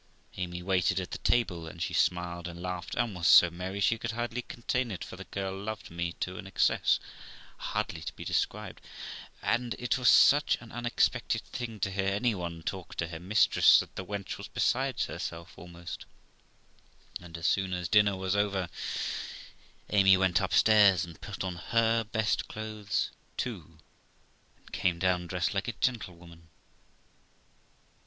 Amy waited at the table, and she smiled and laughed, and was so merry she could hardly contain it, for the girl loved me to an excess hardly to be described ; and it was such an unexpected thing to hear any one talk to her mistress, that the wench was beside herself almost, and, as soon as dinner was over, Amy went upstairs, and put on her best clothes too, and came down dressed like a gentlewoman.